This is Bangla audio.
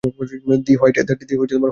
The white death.